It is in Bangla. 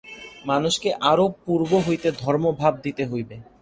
মানুষকে আরও পূর্ব হইতে ধর্মভাব দিতে হইবে।